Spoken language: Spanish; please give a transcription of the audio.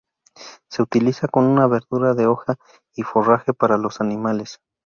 Se utiliza como una verdura de hoja y forraje para los animales.